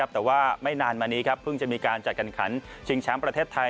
แต่ว่าไม่นานมานี้เพิ่งจะมีการจัดการขันชิงแชมป์ประเทศไทย